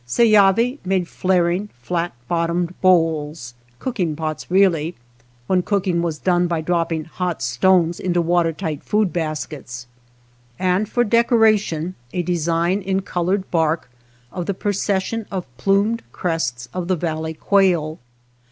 Seyavi made flaring, flat bottomed bowls, cooking pots really, when cooking was done by dropping hot 167 THE BASKET MAKER stones into water tight food baskets, and for decoration a design in colored bark of the procession of plumed crests of the valley quail.